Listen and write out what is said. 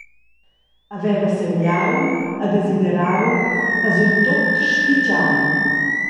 E veva semiau e desiderau e surtut spitgau.